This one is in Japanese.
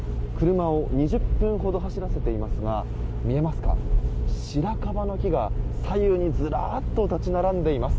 車を２０分ほど走らせていますが見えますか、白樺の木が左右にずらっと立ち並んでます。